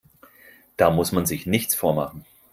Da muss man sich nichts vormachen.